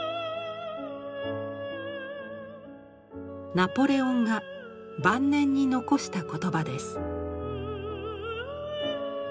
ナポレオンが晩年に残した言葉です。